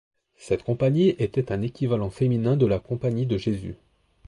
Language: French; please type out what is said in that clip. Cette compagnie était un équivalent féminin de la compagnie de Jésus.